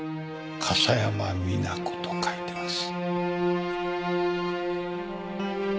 笠山美奈子と書いてます。